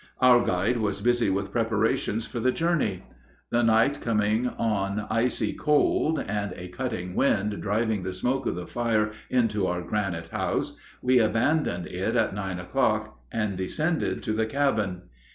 Our guide was busy with preparations for the journey. The night coming on icy cold, and a cutting wind driving the smoke of the fire into our granite house, we abandoned it at nine o'clock and descended to the cabin.